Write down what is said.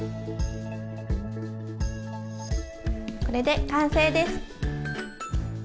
これで完成です。